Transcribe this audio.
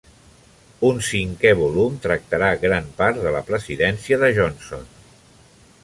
Un cinquè volum tractarà gran part de la presidència de Johnson.